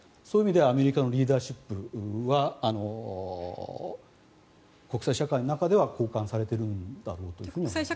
そういう意味ではアメリカのリーダーシップは国際社会の中では好感されているんだろうと思います。